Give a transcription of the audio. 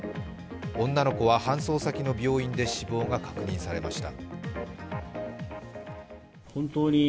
女の子は搬送先の病院で死亡が確認されました。